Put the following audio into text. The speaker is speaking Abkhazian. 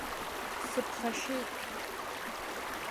Сыԥхашьеит.